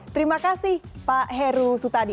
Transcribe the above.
terima kasih pak heru sutadi